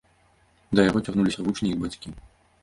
Да яго цягнуліся вучні і іх бацькі.